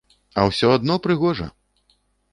А ўсё адно прыгожа!